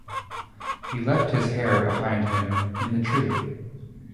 He left his hair behind him in the tree.